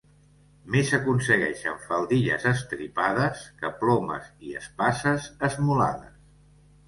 Més aconsegueixen faldilles estripades que plomes i espases esmolades.